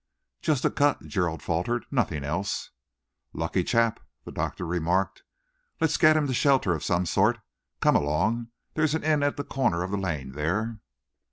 "Just a cut," Gerald faltered; "nothing else." "Lucky chap," the doctor remarked. "Let's get him to shelter of some sort. Come along. There's an inn at the corner of the lane there."